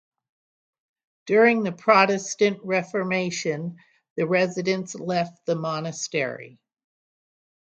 During the Protestant Reformation the residents left the monastery.